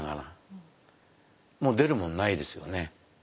もう出るもんないですよね。